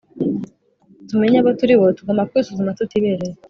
Tumenye abo turi bo tugomba kwisuzuma tutibereye